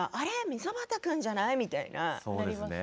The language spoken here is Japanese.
溝端君じゃない？みたいなね。